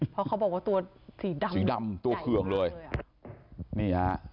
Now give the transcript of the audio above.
เพราะเขาบอกว่าตัวสีดำสีดำตัวเคืองเลยนี่ฮะ